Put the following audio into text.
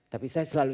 tapi saya sedih sekali